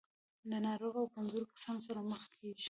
له ناروغو او کمزورو کسانو سره مخ کېږي.